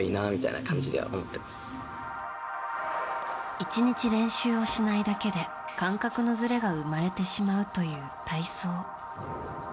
１日練習をしないだけで感覚のずれが生まれてしまうという体操。